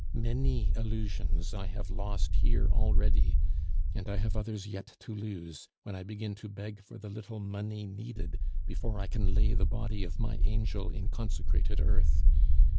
Many illusions I have lost here already, and I have others yet to lose, when I begin to beg for the little money needed before I can lay the body of my angel in consecrated earth.